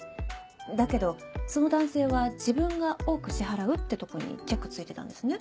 だけどその男性は「自分が多く支払う」って所にチェック付いてたんですね。